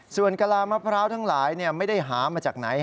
ส่วนกะลามะพร้าวทั้งหลายไม่ได้หามาจากไหน